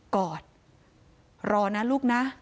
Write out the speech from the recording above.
กอดรอนะลูกนะ